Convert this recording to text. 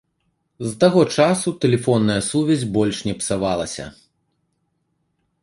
З таго часу тэлефонная сувязь больш не псавалася.